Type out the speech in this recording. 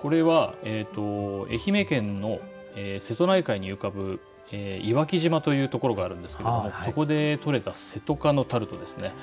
これは愛媛県の瀬戸内海に浮かぶ岩城島というところがあるんですけれどもそこで取れたせとかのタルトですね。